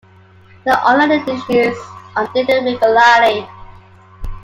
The online edition is updated regularly.